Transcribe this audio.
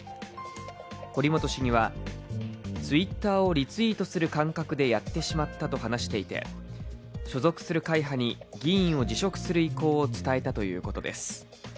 堀本市議は、Ｔｗｉｔｔｅｒをリツイートする感覚でやってしまったと話していて所属する会派に議員を辞職する意向を伝えたということです。